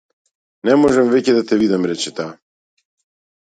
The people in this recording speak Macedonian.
Не можам веќе да те видам, рече таа.